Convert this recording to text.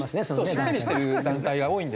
しっかりしてる団体が多いんですよ。